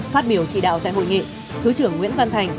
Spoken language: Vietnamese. phát biểu trị đạo tại hội nghị